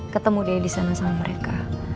ketemu dia disana sama mereka